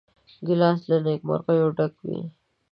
ګیلاس له نیکمرغیو ډک وي.